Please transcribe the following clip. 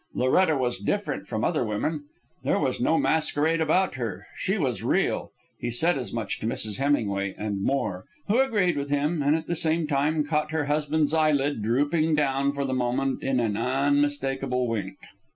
Loretta was different from other women. There was no masquerade about her. She was real. He said as much to Mrs. Hemingway, and more, who agreed with him and at the same time caught her husband's eyelid drooping down for the moment in an unmistakable wink.